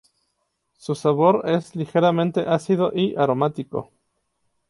Su sabor es ligeramente ácido y aromático.